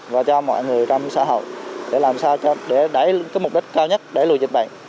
và cho mọi người trong xã hội để làm sao để đẩy cái mục đích cao nhất để lùi dịch bệnh